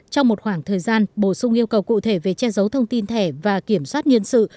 trong một khoảng thời gian bổ sung yêu cầu cụ thể về che giấu thông tin thẻ và kiểm soát nhân sự